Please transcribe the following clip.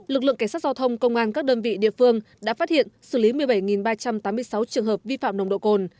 lực lượng cảnh sát giao thông công an các đơn vị địa phương đã phát hiện xử lý một mươi bảy ba trăm tám mươi sáu trường hợp vi phạm nồng độ cồn